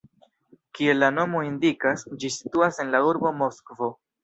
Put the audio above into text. Kiel la nomo indikas, ĝi situas en la urbo Moskvo.